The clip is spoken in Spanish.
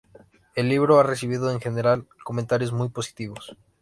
El libro ha recibido en general comentarios muy positivos.